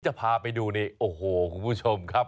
จะพาไปดูนี่โอ้โหคุณผู้ชมครับ